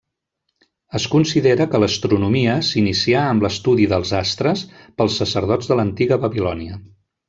Es considera que l'astronomia s'inicià amb l'estudi dels astres pels sacerdots de l'antiga Babilònia.